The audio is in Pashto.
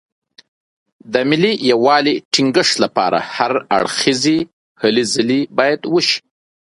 د ملي یووالي ټینګښت لپاره هر اړخیزې هلې ځلې باید وشي.